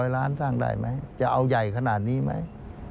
ล้านสร้างได้ไหมจะเอาใหญ่ขนาดนี้ไหม